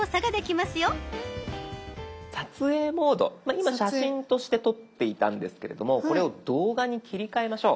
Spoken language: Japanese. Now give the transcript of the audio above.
今「写真」として撮っていたんですけれどもこれを「動画」に切り替えましょう。